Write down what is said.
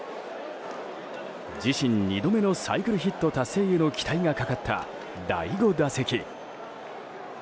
自身２度目のサイクルヒット達成への期待がかかった第５打席。